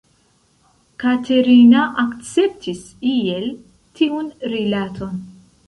Katerina akceptis iel tiun rilaton.